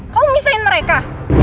kamu misahin mereka